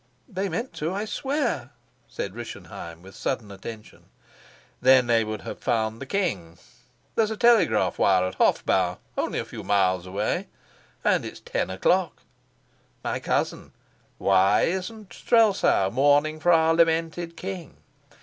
"They meant to, I swear," said Rischenheim with sudden attention. "Then they would have found the king. There's a telegraph wire at Hofbau, only a few miles away. And it's ten o'clock. My cousin, why isn't Strelsau mourning for our lamented king?